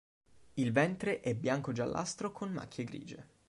Il ventre è bianco-giallastro con macchie grigie.